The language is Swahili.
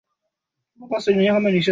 anya uzinduzi unaweza ukasemaje